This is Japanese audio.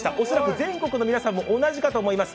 全国の皆さんも同じかと思います。